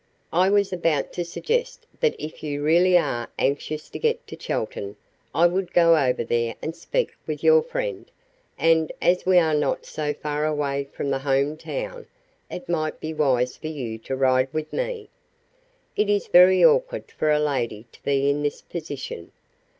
I was about to suggest that if you really are anxious to get to Chelton I would go over there and speak with your friend, and, as we are not so far away from the home town, it might be wise for you to ride with me. It is very awkward for a lady to be in this position.